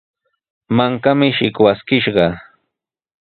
Mankami shikwaskishqa.